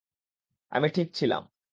আমি ঠিক ছিলাম!